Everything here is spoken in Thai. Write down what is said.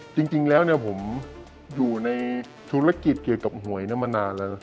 จริงแล้วผมอยู่ในธุรกิจเกี่ยวกับหวยมานานแล้ว